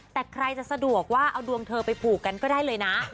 แต่ใครจะสะดวกว่าเอาดวงเธอไปผูกกันก็ได้เลยนะ